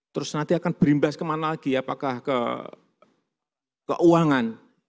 terus nanti akan berimbas kemana lagi apakah ke keuangan